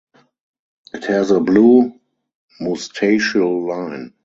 It has a blue moustachial line.